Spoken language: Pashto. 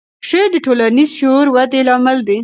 شعر د ټولنیز شعور ودې لامل دی.